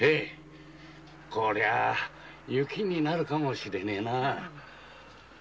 こりゃあ雪になるかもしれねえなァ。